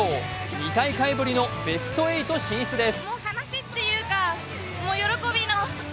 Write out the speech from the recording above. ２大会ぶりのベスト８進出です。